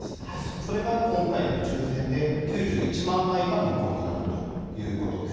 それが今回の抽せんで９１万枚が無効になるということです。